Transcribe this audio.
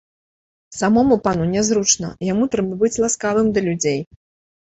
Самому пану нязручна, яму трэба быць ласкавым да людзей.